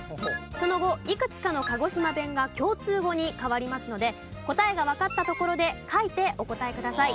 その後いくつかの鹿児島弁が共通語に変わりますので答えがわかったところで書いてお答えください。